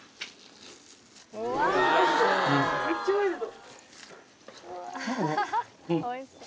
めっちゃワイルド。